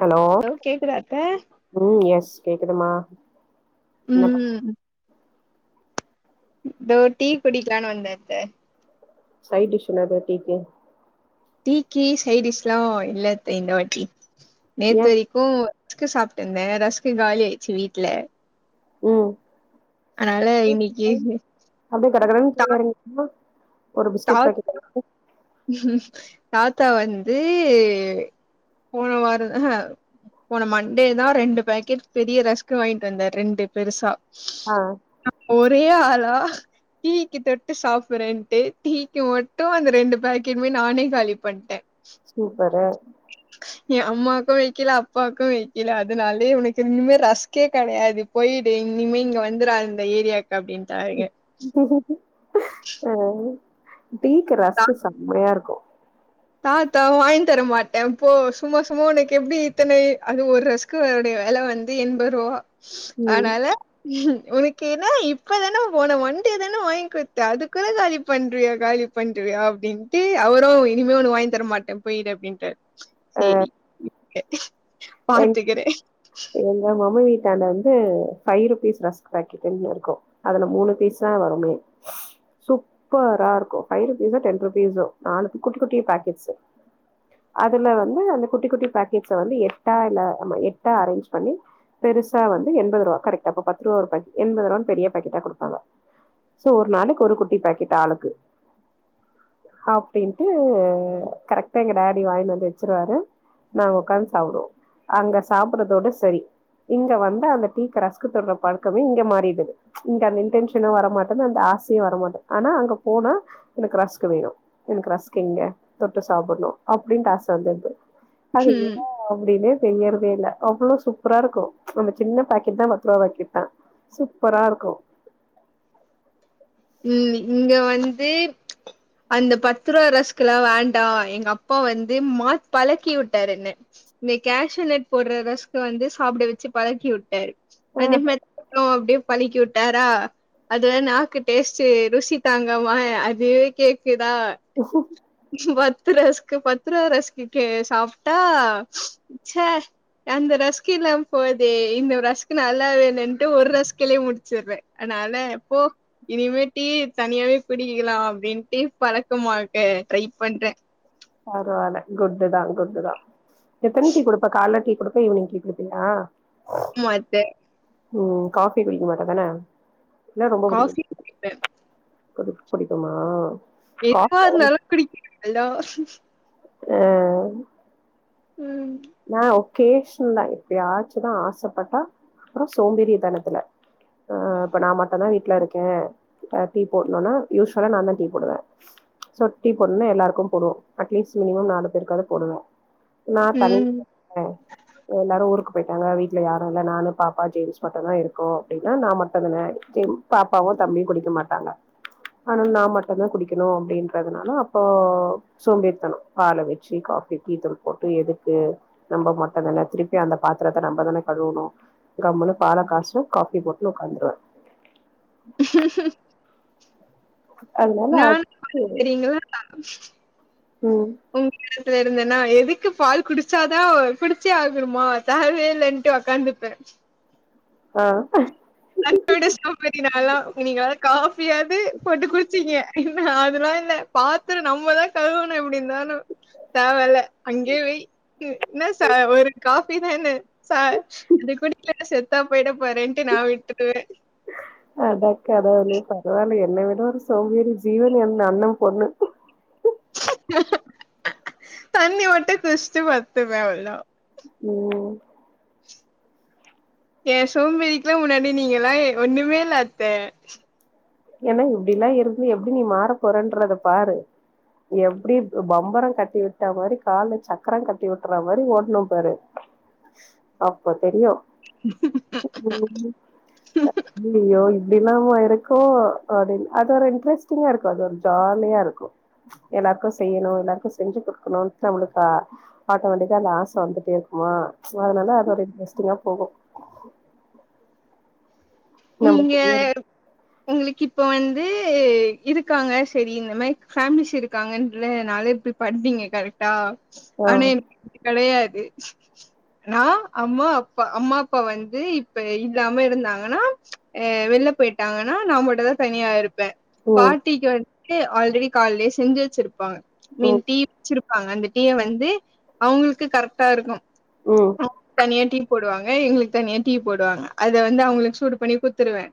Hello கேக்குதா அத்த ம் எஸ் கேக்குதுமா என்ன உம்ம் இதோ டீ குடிக்கலானு வந்தேத்த சை டிஷ் என்னது டீக்கு டீக்கி சைடிஷ் எலாம் இல்லத்த அத்த வாட்டி ஏ நேத்து வரைக்கும் ரஸ்க்கு சாப்ட்டு இருந்தேன் ரஸ்க்கு காலி ஆயிடுச்சு வீட்ல உம் அதனால இன்னைக்கு அப்டியே கடகடன் தா கீழ் எறங்கி போமா ஒரு பிஸ்கெட் பாக்கெட் தாத்தா [unintelligible] தாத்தா வந்து போன வார அ ஹ போன மண்டே தா ரெண்டு பேக்கெட் பெரிய ரஸ்க்கு வாங்கிட்டு வந்தார் ரெண்டு பெருசா ஆ ஒரே ஆளா டீக்கு தொட்டு சாப்புறேன்ட்டு டீக்கு மட்டு அந்த ரெண்டு பேக்கெட்மே நானே காலி பண்ட்டே சூப்பரு ஏ அம்மாக்கு வைக்கல அப்பாக்கு வைக்கல அதனாலயே உனக்கு இனிமே ரஸ்கே கெடையாது போயி்டு இனிமே இங்க வந்துரா இந்த ஏரியா அப்டின்டாருங்க ஆ டீக்கு ரஸ்கு செம்மயா இருக்கு தாத்தா வாங் தர மாட்டே போ சும்மா சும்மா உனக்கு எப்டி இத்தனை அது ஒரு ரஸ்க்கு உடய வெல வந்து எம்பருபா ம் ஆனால உனக்கு ஏனா இப்பதானம போன மண்டேதானே வாங்குத்தே அதுக்குள காலி பண்றியா காலி பண்றியா அப்டின்ட்டு அவரு இ னிமே ஒனக் வாங்கி தர மாட்டே போயிடு அப்டின்ட்டாரு சேரி [unintelligible] எங் பாத்துக்கிறே எங்க மாமா வீ டாண்ட வந்து ஃபை ருப்பீஸ் ரஸ்கு பாக்கெட்டுன் இருக்கு அதுல‌ மூணு பீஸ் தா வருமே சூப்பரா இருக்கு ஃபை ருப்பீஸோ டென் ருப்பீஸோ [unintelligible] குட்டி குட்டி பாக்கெட்ஸு அதுல வந்து அந்த குட்டி குட்டி பாக்கெட்ஸ வந்து எட் டால நம்ம எட்டா அரேன்ஜ் பண்ணி பெருசா வந்து எண்பது ருபா கரெக்ட் அப்ப பத்துருவா ஒரு பாக்கெட் எண்பது ருவான் பெரிய பாக்கெட்டா குடுப்பாங்க சோ ஒரு நாளைக்கு ஒரு குட்டி பாக்கெட் ஆளுக்கு அப்டின்டு கரெக்டா எங்க டாடி வாங்கினுவந்து வச்சுருவாரு நாங்க ஒக்காந்து சாப்டுவோ அங்க சாப்புறதோட சரி இங்க வந்து அந்த டீக்கு ரஸ்க்கு தொட்ற பழக்கமே இங்க மாறிடுது இங்க அந்த இன்டென்ஷனு வரமாட்டேது அந்த ஆசையு வரமாட்டேது ஆனா அங்க போனா எனக்கு ரஸ்க் வேணு எனக்கு ரஸ்க் எங்க தொட்டு சாப்புட்ணு அப்டின்ட்டு ஆச வந்துருது அது ம் [unintelligible] செய்யறதே இல்ல அவ்ளோ சூப்பரா இருக்கு அந்த சின்ன பாக்கெட் தா பத்து ருவா பாக்கெட் தா சூப்பரா இருக்கு இங்க வந்து அந்த பத்ருவா ரஸ்குலா வேண்டா எங்க அப்பா வந்து மாத் பழக்கி உட்டாரு என்ன இந்த கேஷுநட் போடுற ரஸ்க்கு வந்து சாப்புட வச்சு பழக்கி விட்டாரு ஆ அதே மாரி நா அப்டி பழக்கி உட்டாரா அதுல நாக்கு டேஸ்ட்டு ருசி தாங்காம அது கேக் குதா பத்து ரஸ்க்கு பத்து ருவா ரஸ்குகே சாப்டா சே அந்த ரஸ்கு இல்லாம் போதே இந்த ரஸ்கு நல்லாவேயில்லன்ட்டு ஒரு ரஸ்குலே முடுச்சுர்றே அனால போ இனிமே டீ தனியாவே குடிக்கலா அப்டின்ட்டு பழக்கமாக்க ட்ரை பண்றே பரவால்ல குட்டு தா குட்டு தா எத்தன டீ குடுப்ப கால்ல டீ குடுப்ப ஈவ்னிங் டீ குடுப்பிங்ளா மாட்டே உம் காஃபி குடிக்க மாட்ட தான என்ன ரொம்ப புடிக்கும் காஃபி குடிப்பே குடிக புடிக்குமா எப்ப காஃபி வந்தாலும் குடிக்கும் ஹலோ உஹ் உம் நான் ஒகேஷன்ல எப்பயாச்சுதான் ஆசைப்பட்டா அப்றம் சோம்பேரித்தனத்துல ஆஹ் இப்ப நான் மட்டும்தான் வீட்டுல இருக்கேன் டீ போடணும்னா யூஸ்வலா நான் தான் டீ போடுவன் சோ டீ போடும்னா எல்லாருக்கும் போடுவோம் அட்லீஸ்ட் மினிமம் நாலு பேருக்காவது போடுவேன் நா தனி ம் ஆஹ் எல்லாரும் ஊருக்கு போய்ட்டாங்க வீட்ல யாரும் இல்ல நானு பாப்பா ஜேம்ஸ் மட்டும்தான் இருக்கோம் அப்டின்னா நான் மட்டும் தானே பாப்பாவும் தம்பியும் குடிக்க மாட்டாங்க ஆனாலும் நான் மட்டும்தான் குடிக்கணும் அப்படின்றதுனால அப்போ சோம்பேரித்தனம் பாலை வச்சு காபி டீத்தூள் போட்டு எதுக்கு நம்ம மட்டுதானே திருப்பி அந்த பாத்திரத்தை நம்பதானே கழுவணும் கம்முனு பால காச்சனும் காபி போட்டு உட்காந்துருவேன் அதனால நானும்றீங்களா [inaudible] உம் ல இருந்தேன்னா எதுக்கு பால் குடிச்சாதா குடிச்சே ஆகணுமா தரவே இல்லன்ட்டு உக்காந்துப்பேன் ஆஹ் அன்போட சப்பதினாம் நீங்கள கா ஃபியாது போட்டு குடிச்சிங்க இல்ல அதெல்லாம் இல்லை பாத்து நம்மதான் கழுவணும் எப்டி இருந்தாலும் தேவல அங்கே வை என்ன ச ஒரு காபி தானே ச அது குடிக்கலனா செத்தா போயிட போறேன்ட்டு நா விட்டுருவே அட கடவுளே பரவாயில்ல என்ன விட ஒரு சோம்பேறி ஜீவன் அந்த அண்ணன் பொண்ணு தண்ணி மட்டும் குடிஸ்டு படுத்துவே அவ்ளோ தா உம் ஏன் சோம்பறிக்குல்லாம் முன்னாடி நீங்க எல்லாம் ஒண்ணுமேல்ல அத்த ஏன்னா இப்டிலா இருந்து எப்டி நீ மாற போறன்றத பாரு எப்டி பம்பரம் கட்டி விட்ட மாரி கால்ல சக்கரம் கட்டி விட்ர மாரி ஓடனும் பாரு அப்போ தெரியும் [unintelligible] தினமும் இருக்கோ அப்படின்னு அது ஒரு இன்ட்ரெஸ்ட்டிங்கா இருக்கும் அது ஒரு ஜாலியா இருக்கும் எல்லாருக்கும் செய்யணு எல்லாருக்கு செஞ்சு கொடுக்கணு நம்மளுக்கு ஆட்டோமேட்டிக்கா ஆச வந்துட்டே இருக்குமா அதனால அது ஒரு இன்ட்ரெஸ்டிங்கா போகும் நீங்க உங்களுக்கு இப் இப்ப வந்து இருக்காங்க சரி இந்த மாரி ஃபேமிலிஸ் இருக்காங்கன்றனால இப்டி பண்ணிங்க கரெக்டா ஆ [unintelligible] நா அம்மா அப்பா அம்மா அப்பா வந்து இப்ப இல்லாம இருந்தாங்கன்னா அஹ் வெளால போயிட்டாங்கன்னா நாமட்டு தான் தனியாருப் பேன் ம் பாட்டிக்கு வந் ஆல்ரெடி கால்லே செஞ்சு வச்சிருப்பாங்க ம் [unintelligible] இருப்பாங்க அந்த டீய வந்து அவுங்களுக்கு கரெக்டா இருக்கு உம் தனிய டீ போடுவாங்க இவுங்களுக்கு தனியா டீ போடுவாங்க அத வந்து அவுங்களுக்கு சுடு பண்ணி கொடுத்துருவே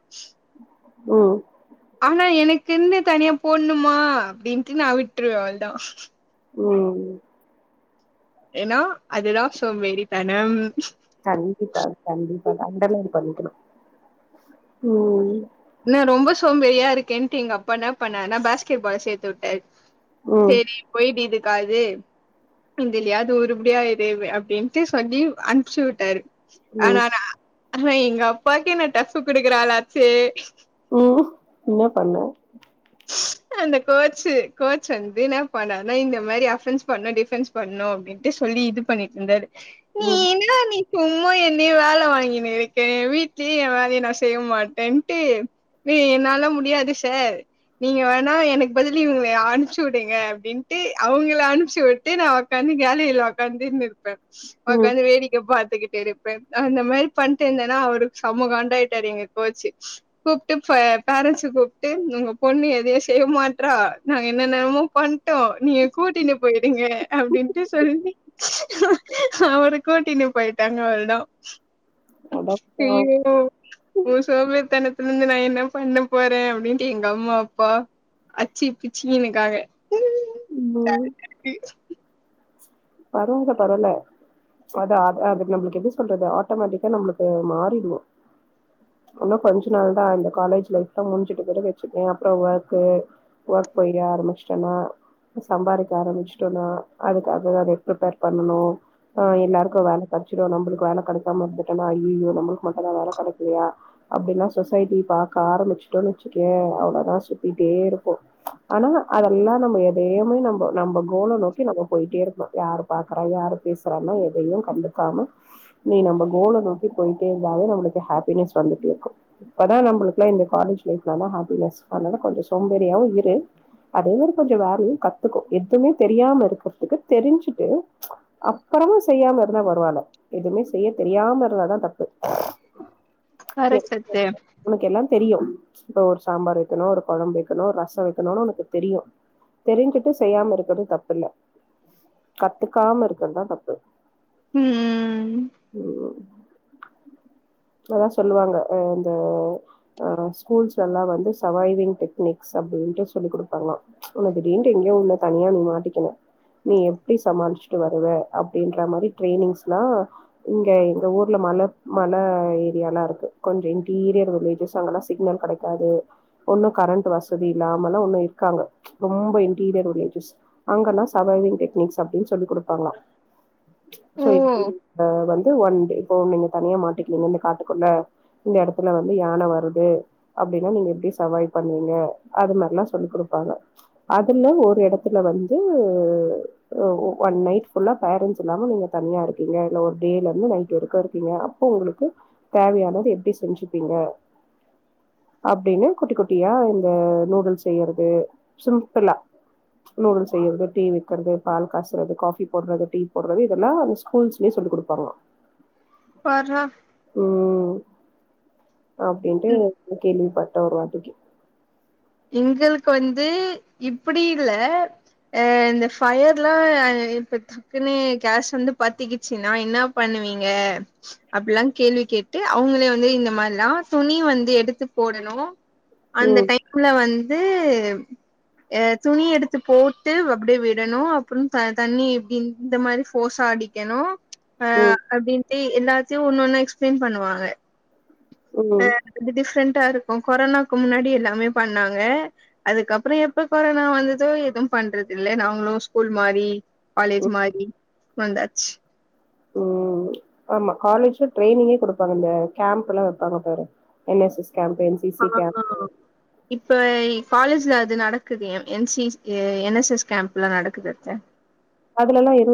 ம் ஆனா எனக்கு இருந்து தனியா போணுமா அப்பிடின்ட்டு நா விட்டுருவே அவள தா உம் ஏன்னா அதுதா சோம்பேறித்தன கண்டிப்பா கண்டிப்பா கண்டலன் பண்ணிக்கணு உம் என்ன ரொம்ப சோம்பேரியா இருக்கேன்ட்டு எங்க அப்பா என்ன பண்ண நா பாஸ்கெட்பால் சேர்த்து விட்டாரு ம் சேரி போயி்ட இது இருக்காது இது இதிலியாது உருபுடியா இரு அப்பிடின்ட்டு சொல்லி அனுப்புசு விட்டாரு ம் ஆனானா ஆனா எங்க அப்பாக்கு என்ன டஃப் குடுக்குற ஆளாச்சே ம் என்ன பண்ண அந்த கோச்கோச் வந்து என்ன பனா இந்த மாரி அஃபன்ஸ் பண்ணு டிஃபன்ஸ் பண்ணு அப்பிடின்ட்டு சொல்லி இது பண்ணிட்டு இருந்தாரு ம் நீனா நீ சும்மா என்னய வேலை வாங்கினு இருக்கே வீட்லயு ஏ வேலயே மாரி நா செய்ய மாட்டேன்ட்டு நீ என்னால முடியாது சார் நீங்க வேணா எனக்கு பதில இவுங்கள அனுப்ச்சு விடுங்க அப்பிடின்ட்டு அவுங்கள அனுச்சு விட்டு நா உட்க்காந்து கேலரியில உட்க்காந்துன்னக்கேன் உனக்கா ம் வந்து வேடிக்கை பாத்துக்கிட்டு அந்த மாரி பண்ணிட்டு இருந்தேன்னா அவருக்கு சமகண்டாயிட்டாரு எங்க போச்சு கூப்பிட்டு பேரண்ட்ஸு கூப்பிட்டு உங்க பொண்ணு எதையு செய்ய மாட்டா நாங்க என்ன நேரமோ பண்ணிட்டோ நீங்க கூட்டின்னு போயிடுங்க அப்பிடின்ட்டு சொல்லி அவரு கூட்டின்னு போயிட்டாங்க அவரிட அடப்பா யோ உ சோம்பேரிதனத்துல இருந்து நா என்ன பண்ண போறே அப்படின் அம்மா அப்பா அச்சி பிச்சினுுக்காங்க பரவாயரவ அது நம்மளுக்கு எது சொல்றது ஆட்டோமேட்டிக்கா நம்மளுக்கு மாறிடுவோ இன்னு கொஞ்ச நாள் தா இந்த காலேஜ் லைப்ல முடிஞ்சுட்டு பேர் வச்சிருக்கே அப்புற ஒர்க் ஒர்க் போய் ஆரம்பிச்சட்டோனா சம்பாதிக்க ஆரம்பிச்சட்டோனா அதுக்காக ப்ிப்பேர் பண்ணணு ஹ எல்லாருக்கு வேல கடச்சிடு நம்மளுக்கு வேல கிடக்காம இருந்துட்டோனா ஐயோ நம்மளுக்கு மட்டுதா வேலை கிடைக்கலையா அப்பிடின்லா சொசைட்டி பார்க்க ஆரம்பிச்சுட்டோ வச்சுக்கே அவ்ளோதா சுத்திட்டே இருப்போ ஆனா அதெல்லா நம்ம எதையுமே நம்ம நம்ம கோலை நோக்கி நம்ம போயிட்டே இருப்போ யார் பாக்கறா யார் பேசுறான்னா எதையு கண்டுக்காம நீ நம்ம கோலை நோக்கி போயிட்டே இருந்தாலே நம்மளுக்கு ஹாப்பினஸ் வந்துட்டே இருக்கு இப்போ தா நம்மளுக்குலா இந்த காலேஜ் லைஃப்ல தா ஹாப்பினஸ் அதனால கொஞ்ச சோம்பேறியாகவு இரு அதே கொஞ்ச வேலையு கத்துக்கோ எதுவுமே தெரியாம இருக்கிறதுக்கு தெரிஞ்சுட்டு அப்புறமா செய்யாம இருந்தாலு பரவாயில்ல எதுவுமே செய்ய தெரியாம இருந்தாலாதா தப்பு கரட் [unintelligible] சம் உனக்கு எல்லா தெரியு இப்ப ஒரு சாம்பார் வைக்கணு ஒரு குழம்பு வைக்கணு ஒரு ரச வைக்கணு உனக்கு தெரியு தெரிஞ்சுட்டு செய்யாம இருக்கிறது தப்புல்ல கத்துக்காம இருக்குறதுதா தப்பு ம் உம் அதல்லா சொல்லுவாங்க இந்த ஆஹ ஸ்கூல்ஸ்ல எல்லா வந்து சவைவிங் டெக்னிக்ஸ் அப்புடின்ட்டு சொல்லிக் கொடுப்பாங்களா உன திடீனுட்டு எங்கேயு உ தனியா நீ மாட்டிக்கினு நீ எப்பிடி சமாளிச்சுட்டு வருவ அப்புடின்ற மாரி ட்ரெயனிங்ஸ்லா இங்க எங்க ஊர்ல மழ மழ ஏரியாலாம இருக்கு கொஞ்ச இன்டீரியர் வில்லேஜஸ் அங்கல்லா சிக்னல் கெடக்காது ஒன்னு கரண்ட் வசதி இல்லாமல்லா ஒன்னு இருக்காங்க ரொம்ப இன்டீரியர் வில்லேஜஸ் அங்கல்லா சவிங் டெக்னிக்ஸ் அப்பிடினு சொல்லி் கொடுப்பாங்களா ஓ சோ எப்ப வந்து ஒன் டே இப்போ நீங்க தனியா மாட்டிக்கீங்க இந்த காட்டுக்குள்ள இந்த இடத்துல வந்து யானை வருது அப்படின்னா நீங்க எப்படி சர்வைவ் பண்ணுவீங்க அது மாதிரில்லாம் சொல்லிக் கொடுப்பாங்க அதுல ஒரு இடத்துல வந்து ஒன் நை் பேரன்ஸ் இல்லாம நீங்க தனியா இருக்கீங்க இல்ல ஒரு டேல இருந்து நைட் வரைக்கும் இருக்கீங்க அப்போ உங்களுக்கு தேவையானது எப்படி செஞ்சுப்பீங்க அப்படின்னு குட்டி குட்டியா இந்த நூடுல் செய்யறது சிம்பிளா நூடுல் செய்யறது டீ வக்கிறது பால் காசுறது காபி போடுறது டீ போடுறது இதெல்லாம் அ ஸ்கூல்ஸ்லேயே சொல்லிக் கொடுப்பாங்க பார்ரா அப்படின்ட்டு கேள்வி பா போ ஒருவார்தக்கி எங்களுக்கு வந்து இப்டி இல்ல அஹ் இந்த ஃபயர்ல்லாம் இப்ப டக்குன்னு கேஸ் வந்து பத்திக்கிச்சுனா என்ன பண்ணுவீங்க அப்டிலாம் கேள்வி கேட்டு அவுங்களே வந்து இந்த மாதிரிலாம் துணி வந்து எடுத்து போடணும் அந்த ம், டைம் வந்து அஹ் துணி எடுத்து போட்டு அப்டியே விடணும் அப்றம் தண்ணி இப்டி இந்த மாரி போசாடிக்கணும் ம், அஹ் அப்டின் கே எல்லாத்தையும் ஒன்னு ஒண்ணு எக்ஸ்பிளைன் பண்ணுவாங்க ம், ஆஹ் வந்து டிஃப்ரெண்டா இருக் இப்ப கொரோனாக்கு முன்னாடி எல்லாமே பண்ணாங்க அதுக்கப்புறம் எப்ப கொரோனா வந்ததோ எதுவும் பண்றது இல்லை நாங்களும் ஸ்கூல் மாரி காலேஜ் மாரி வந்தாச்சு உம் ஆமா காலேஜ்ல ட்ரைனிங்கே குடுப்பாங்க இந்த கேம்ப் எல்லாம் வப்பாங்கபாரு N S S camp, N C C camp. ஆஹ்ஹ இப்ப காலேஜ்ல அது நடக்குது என்சி என்எஸ்எஸ் கேம்ப்ல நடக்குது அத்த அதுலலாம் இரு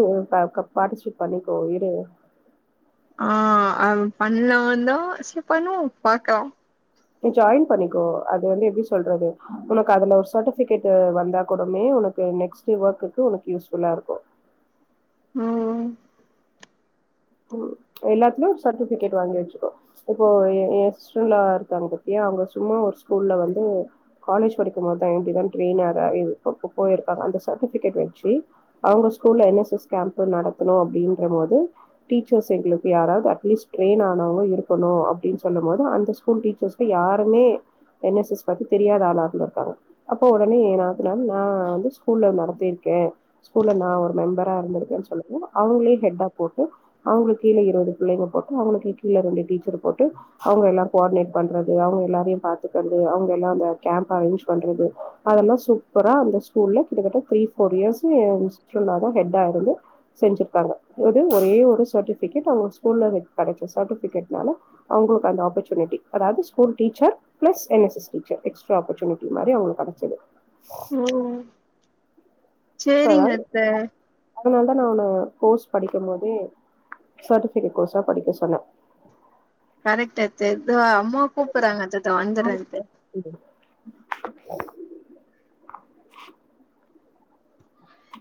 பாடிஸ்பே பண்ணிக்கோ இரு ஆஹ் பண்லாதான் சேரி பண்ணுவோம் பாக்கலாம் ஜாய்ன் பண்ணிக்கோ அது வந்து எப்டி சொல்றது உனக்கு அதுல ஒரு சரிபிகேட் வந்தா கூடமே உனக்கு நெக்ஸ்ட்வொர்க்கு உனக்கு யூஸ்ஃபுல்லா இருக்கும் ம் எல்லாத்துகுமே சர்பிகேட் வாங்கி வச்சுக்கோ இப்போ என் சிஸ்டரில்லா இருக்காங்க பாத்தியா அவுங்க சும்மா ஒரு ஸ்கூல்ல வந்து காலேஜ் படிக்கும்போதுதான் எப்டிதான் ரெய்னராயி போயிருக்காங்க அந்த சர்டிபிகேட் வச்சு அவுங்க ஸ்கூலஎன்எஸ் எஸ் கே நடத்தணும் அப்படின்னும்போது டீச்சர்ஸ் எங்களுக்கு யாராவது அட்லீஸ்ட் ட்ரெயின் ஆனவங்களும் இருக்கணும் அப்படின்னு சொல்லும் போது அந்த ஸ்கூல் டீச்சர்ஸ்கு யாருமே என்எஸ்எஸ் பத்தி தெரியாத ஆளாகலும் இருக்காங்க அப்போ உடனே என் நாத்தனார் ஆகுனால நான் வந்து ஸ்கூல்ல நடத்தியிருக்கேன் ஸ்கூல்ல நான் ஒரு மெம்பரா இருந்திருக்கேன்னு சொல்ல போ அவங்களே ஹெட்டா போட்டு அவுங்களுக்கு கீழ இருவது பிள்ளைங்க போட்டு அவுங்களுக்கு கீழ ரெண்டு டீச்சர் போட்டு அவுங்க எல்லாம் கோவ்டினேட் பண்றது அவுங்க எல்லாரையும் பாத்துக்கறது அவுங்க எல்லாம் அந்த கேம்ப் அரேஞ்ச் பண்றது அதெல்லாம் சூப்பரா அந்த ஸ்கூல்ல கிட்டதட்ட த்ரீ ஃபோர் இயர்ஸ்ல்ல சிஸ்டரில்லா ஹெட்டா இருந்து செஞ்சிருக்காங்க ஒரேஒரு ஒரு சர்டிபிகேட் அவுங்க ஸ்கூல்ல கெடைக்கும் சர்டிபிகேட்னால அவுங்களோட அந்த ஆப்சோனட்டி அதாவது school teacher plus N S S teacher extra opportunity மாரி அவுங்களுக்கு கெடைச்சது ம் சோ சேரிங்க அதாவது அத்த அதனால தான் நான் உன கோர்ஸ் படிக்கும் போதே சர்டிபிகேட் கோர்ஸா படிக்க சொன்ன கரெக்ட் அத்த அ அம்மா கூப்பறாங்க அத்ததான் வந்துறேன்த்த [inaudible]